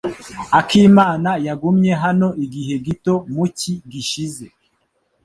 Akimana yagumye hano igihe gito mu cyi gishize.